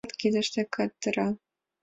Лукаш кидыште кандыра.